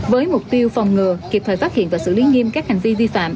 với mục tiêu phòng ngừa kịp thời phát hiện và xử lý nghiêm các hành vi vi phạm